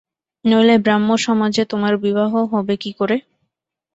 নইলে ব্রাহ্মসমাজে তোমার বিবাহ হবে কী করে?